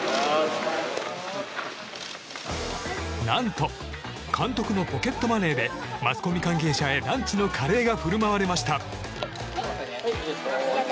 何と、監督のポケットマネーでマスコミ関係者へランチのカレーが振る舞われました。